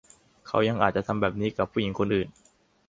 เขายังอาจจะทำแบบนี้กับผู้หญิงคนอื่น